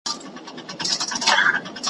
هر عمل یې د شیطان وي په خلوت کي `